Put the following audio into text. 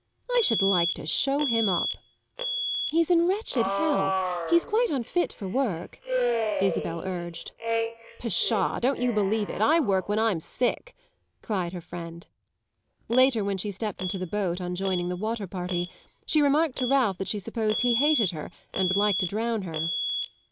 "I should like to show him up." "He's in wretched health; he's quite unfit for work," Isabel urged. "Pshaw! don't you believe it. I work when I'm sick," cried her friend. Later, when she stepped into the boat on joining the water party, she remarked to Ralph that she supposed he hated her and would like to drown her.